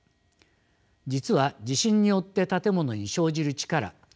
実は地震によって建物に生じる力